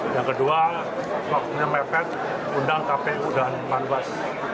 yang kedua waktunya mepet undang kpu dan panwas